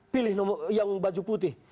pilih yang baju putih